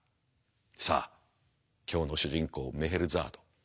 さあ今日の主人公メヘルザード。